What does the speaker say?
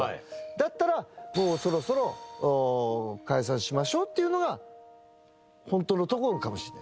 だったらもうそろそろ解散しましょうっていうのがホントのところかもしれない。